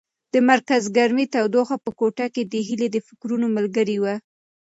د مرکز ګرمۍ تودوخه په کوټه کې د هیلې د فکرونو ملګرې وه.